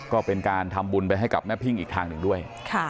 ก็เป็นการทำบุญไปให้กับแม่พึ่งอีกทางหนึ่งด้วย